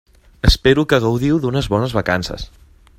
Espero que gaudiu d'unes bones vacances.